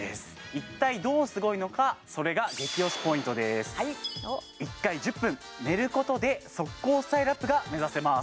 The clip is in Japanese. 一体どうすごいのかそれが１回１０分寝ることで即効スタイルアップが目指せます